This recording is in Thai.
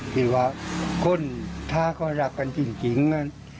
ที่ว่าคนท้าก็รักกันจริง